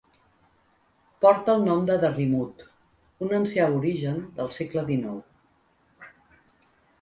Porta el nom de Derrimut, un ancià aborigen del segle XIX.